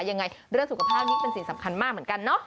ยังไงเรื่องสุขภาพนี้เป็นสิ่งสำคัญมากเหมือนกันเนาะ